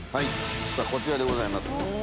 こちらでございます。